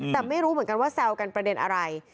แต่ไม่รู้เหมือนกันว่าแซวกันประเด็นอะไร